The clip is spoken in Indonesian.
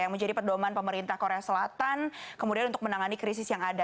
yang menjadi pedoman pemerintah korea selatan kemudian untuk menangani krisis yang ada